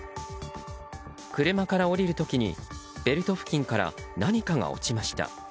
車から降りる時にベルト付近から何かが落ちました。